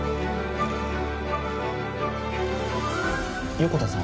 横田さん？